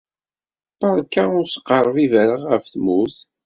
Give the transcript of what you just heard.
Beṛka ur sqerbib ara ɣef tewwurt!